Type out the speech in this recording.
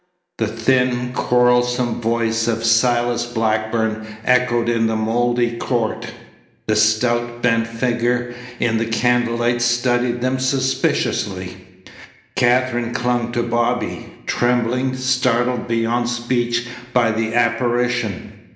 The thin, quarrelsome voice of Silas Blackburn echoed in the mouldy court. The stout, bent figure in the candlelight studied them suspiciously. Katherine clung to Bobby, trembling, startled beyond speech by the apparition.